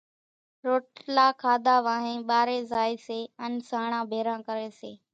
روٽلا کاڌا وانھين ٻارين زائي سي ان سانڻان ڀيران ڪري سي،